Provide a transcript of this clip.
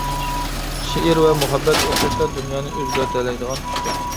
شېئىر ۋە مۇھەببەت ئوخشاشلا دۇنيانى ئۆزگەرتەلەيدىغان كۈچتۇر.